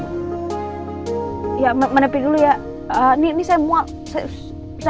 bro mengapa ambil ka duit ditinggalku besar besar